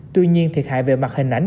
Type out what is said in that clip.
tuy nhiên thiệt hại về mặt hình ảnh